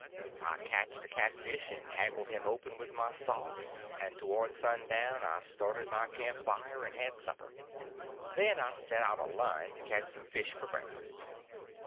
I catched a catfish and haggled him open with my saw, and towards sundown I started my camp fire and had supper. Then I set out a line to catch some fish for breakfast.